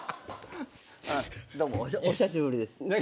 どうもお久しぶりです。